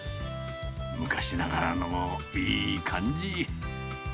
昔ながらのいい感じ。